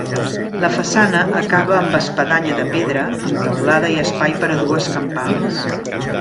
La façana acaba amb espadanya de pedra amb teulada i espai per a dues campanes.